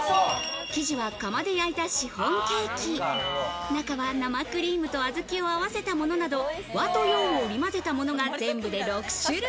生地は窯で焼いたシフォンケーキ、中は生クリームと小豆を合わせたものなど、和と洋を織り交ぜたものが全部で６種類。